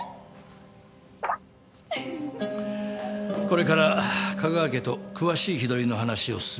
これから香川家と詳しい日取りの話を進める。